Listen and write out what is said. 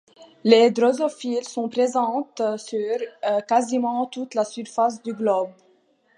Les drosophiles sont présentes sur quasiment toute la surface du globe.